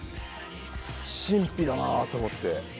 神秘だなと思って。